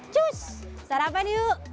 cus sarapan yuk